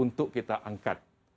untuk kita angkat